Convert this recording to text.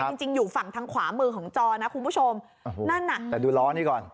จริงจริงอยู่ฝั่งทางขวามือของจอนะคุณผู้ชมโอ้โหนั่นน่ะแต่ดูล้อนี้ก่อน